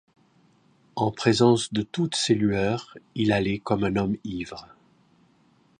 En présence de toutes ces lueurs, il allait comme un homme ivre.